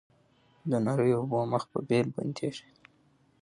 د نریو اوبو مخ په بېل بندیږي